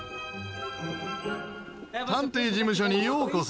探偵事務所にようこそ。